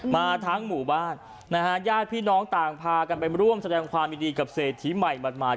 มาทั้งหมู่บ้านนะฮะญาติพี่น้องต่างพากันไปร่วมแสดงความยินดีกับเศรษฐีใหม่หมาด